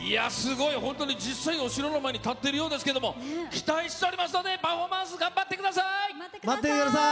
実際のお城の前に立っているようですが期待しておりますのでパフォーマンス頑張ってください。